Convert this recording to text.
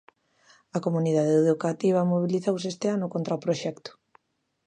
A comunidade educativa mobilizouse este ano contra o proxecto.